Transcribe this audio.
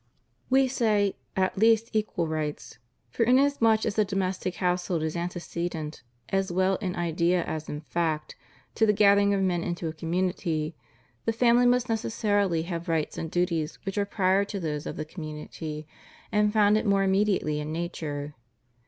We say, at least equal rights; for inasmuch as the do mestic household is antecedent, as well in idea as in fact, to the gathering of men into a community, the family must necessarily have rights and duties which are prior to those of the Community, and founded more immediately in nature.